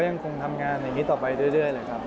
ยังคงทำงานอย่างนี้ต่อไปเรื่อยเลยครับ